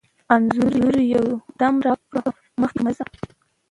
انځور یو دم را غږ کړ: مخکې مه ځه.